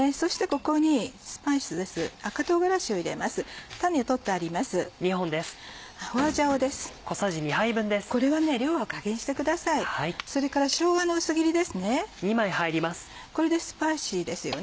これでスパイシーですよね。